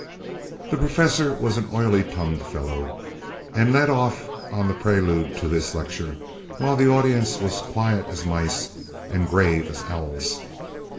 "The professor was an oily tongued fellow, and led off on the prelude to his lecture, while the audience was as quiet as mice and as grave as owls.